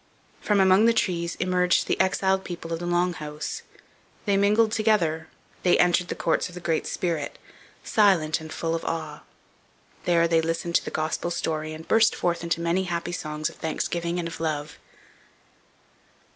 From among the trees emerged the exiled people of the Long House. They mingled together; they entered the courts of the Great Spirit, silent and full of awe. There they listened to the Gospel story and burst forth into many happy songs of thanksgiving and of love.